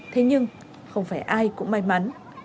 thế nhưng không phải ai cũng may mắn